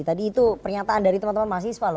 tadi itu pernyataan dari teman teman mahasiswa loh